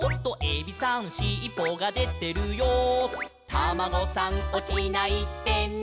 「タマゴさんおちないでね」